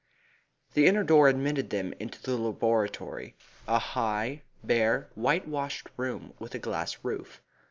The inner door admitted them into the laboratory, a high, bare, whitewashed room with a glass roof.